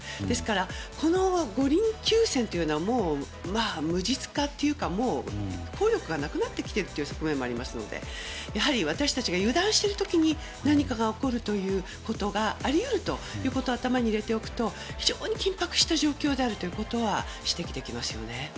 ですからこの五輪休戦というのは無実化というかもう、効力がなくなってきている側面がありますので私たちが油断している時に何かが起こることがあり得るということを頭に入れておくと非常に緊迫した状況であるということは指摘できますよね。